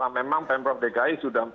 memang pemprov dki sudah